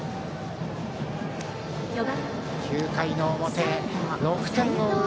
９回の表、６点を追う